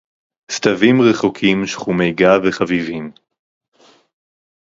סְתָוִים רְחוֹקִים, שְׁחוּמֵי-גַב וַחֲבִיבִים